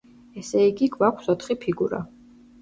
ესე იგი, გვაქვს ოთხი ფიგურა.